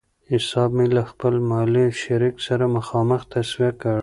حساب مې له خپل مالي شریک سره مخامخ تصفیه کړ.